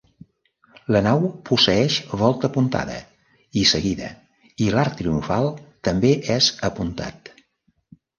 La nau posseeix volta apuntada i seguida i l'arc triomfal també és apuntat.